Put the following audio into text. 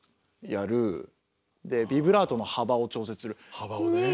幅をね。